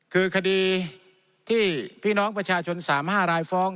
คือคดีที่พี่น้องประชาชน๓๕รายฟ้อง